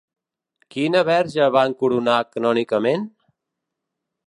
Quina verge van coronar canònicament?